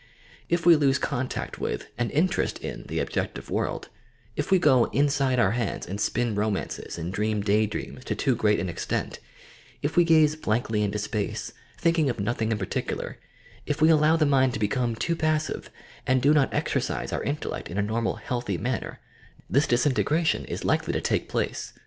If we lose contact with, and Interest in, the objective world, if we go "inside our heads" and spin romances and dream day dreams to too great an extent, if we gaze blankly into space, thinking of nothing in particular, if we allow the mind to become too passive and do not exercise our intellect in a normal, healthy manner, this disintegration is likely to take place.